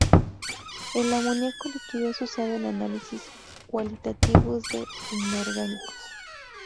El amoníaco líquido es usado en análisis cualitativos de inorgánicos.